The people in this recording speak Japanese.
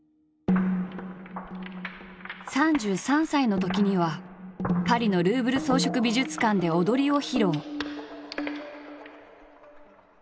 ３３歳のときにはパリのルーブル装飾美術館で踊りを披露。